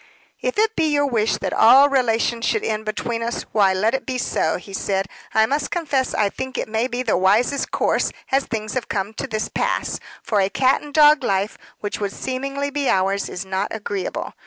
"If it be your wish that all relations should end between us, why, let it be so," he said. "I must confess I think it may be the wisest course, as things have come to this pass; for a cat and dog life, which would seemingly be ours, is not agreeable.